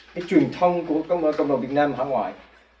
cái truyền thông của cộng đồng việt nam ở ngoài